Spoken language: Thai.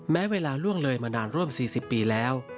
แม้เวลาล่วงเลยมานานร่วม๔๐ปีแล้ว